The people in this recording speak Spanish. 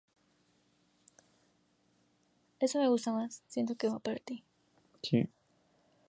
Herman negó el uso de la sustancia prohibida.